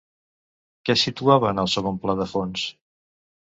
Què situava en el segon pla del fons?